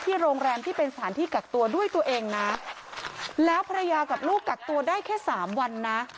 โรงแรมที่เป็นสถานที่กักตัวด้วยตัวเองนะแล้วภรรยากับลูกกักตัวได้แค่สามวันนะ